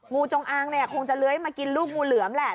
งูจงอางเนี่ยคงจะเลื้อยมากินลูกงูเหลือมแหละ